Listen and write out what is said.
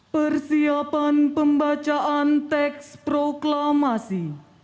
persiapan pembacaan teks proklamasi